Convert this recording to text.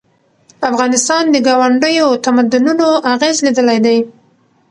افغانستان د ګاونډیو تمدنونو اغېز لیدلی دی.